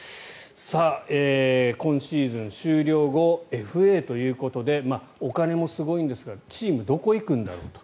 今シーズン終了後ＦＡということでお金もすごいんですがチームどこ行くんだろうと。